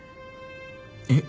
えっ？